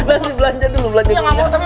belanja belanja dulu belanja ini